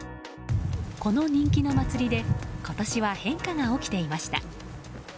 この人気の祭りで今年は変化が起きていました。